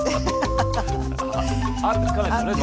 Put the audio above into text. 「あっ！」って付かないですもんね